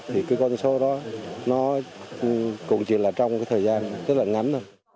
thì con số đó cũng chỉ là trong thời gian rất là ngắn